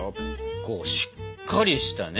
こうしっかりしたね